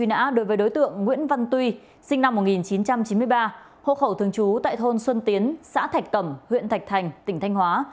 nguyễn văn tuy sinh năm một nghìn chín trăm chín mươi ba hộ khẩu thường trú tại thôn xuân tiến xã thạch cẩm huyện thạch thành tỉnh thanh hóa